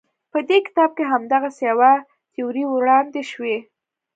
په دې کتاب کې همدغسې یوه تیوري وړاندې شوې.